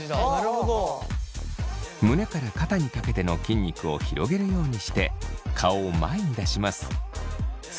胸から肩にかけての筋肉を広げるようにして顔を前に出します。